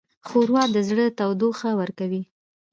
ښوروا د زړه تودوخه ورکوي.